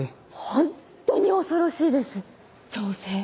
ホンットに恐ろしいです調整。